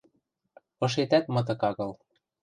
Ышетӓт мытык агыл.